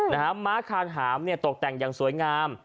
ม้าคานหามเนี่ยตกแต่งอย่างสวยงาม